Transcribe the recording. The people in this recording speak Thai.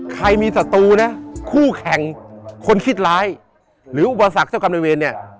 ใครมีศัตรูนะคู่แข่งคนคิดร้ายหรืออุปสรรคเจ้ากรรมในเวรเนี่ย